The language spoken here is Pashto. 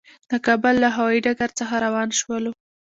د کابل له هوایي ډګر څخه روان شولو.